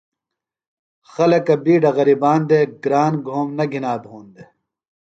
خلکہ بِیڈہ غرِیبان دےۡ۔ گران گھوم نہ گِھنا بھون دےۡ۔